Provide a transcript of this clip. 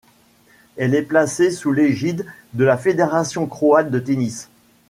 Elle est placée sous l'égide de la Fédération croate de tennis.